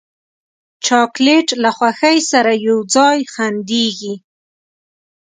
چاکلېټ له خوښۍ سره یو ځای خندېږي.